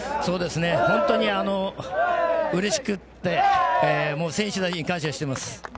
本当にうれしくて選手たちに感謝しています。